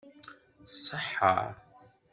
Tṣeḥḥa?